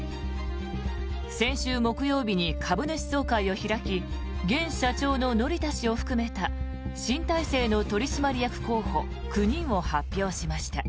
先週木曜日に株主総会を開き現社長の乗田氏を含めた新体制の取締役候補９人を発表しました。